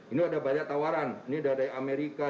ini ada banyak tawaran ini dari amerika